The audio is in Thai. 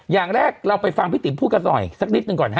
อย่างแรกเราไปฟังพี่ติ๋มพูดกันหน่อยสักนิดหนึ่งก่อนฮ